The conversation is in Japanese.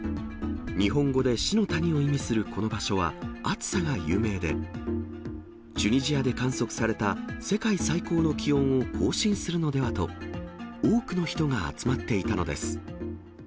日本語で死の谷を意味するこの場所は、暑さが有名で、チュニジアで観測された世界最高の気温を更新するのではと、多くの人が集まっていたのです。